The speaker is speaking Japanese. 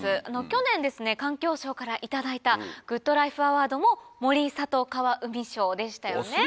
去年環境省から頂いたグッドライフアワードも森里川海賞でしたよね。